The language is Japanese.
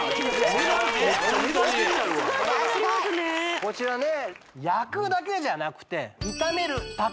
こちらね焼くだけじゃなくて炒める炊く